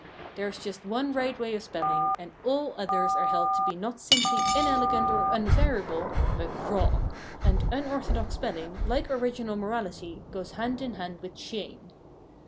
There is just one right way of spelling, and all others are held to be not simply inelegant or undesirable, but wrong; and unorthodox spelling, like original morality, goes hand in hand with shame.